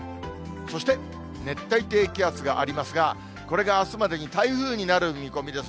そして、熱帯低気圧がありますが、これがあすまでに台風になる見込みです。